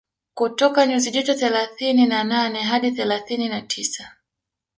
kutoka nyuzi joto thelathini na nane hadi thelathini na tisa